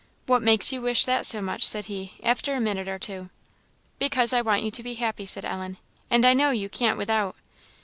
"What makes you wish that so much?" said he, after a minute or two. "Because I want you to be happy," said Ellen "and I know you can't without."